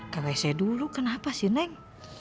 ke wc dulu kenapa sih neng